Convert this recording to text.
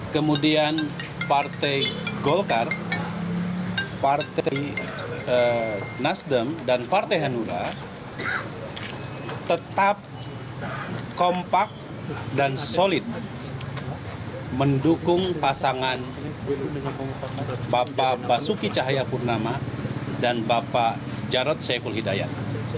kemudian partai golkar partai nasden dan partai hanura tetap kompak dan solid mendukung pasangan bapak basuki cahayakurnama dan bapak jarot saiful hidayat